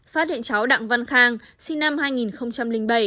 phát hiện cháu đặng văn khang sinh năm hai nghìn bảy